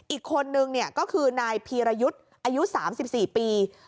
อีกคนนึงก็คือนายพีรยุทธ์อายุ๓๔ปี